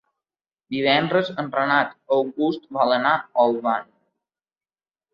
Divendres en Renat August vol anar a Olvan.